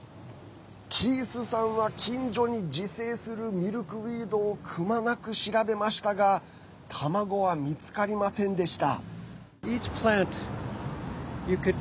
キースさんは近所に自生するミルクウィードをくまなく調べましたが卵は見つかりませんでした。